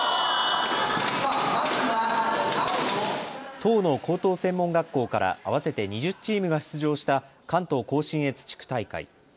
１０の高等専門学校から合わせて２０チームが出場した関東甲信越地区大会。